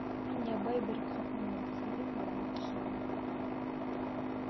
Мин ябай бер ҡатынмын, ирем ярлы кеше ине.